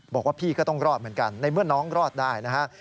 บอกว่าพี่ก็ต้องรอดเหมือนกันในเมื่อน้องรอดได้นะฮะ